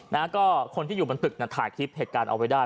นะฮะก็คนที่อยู่บนตึกน่ะถ่ายคลิปเหตุการณ์เอาไว้ได้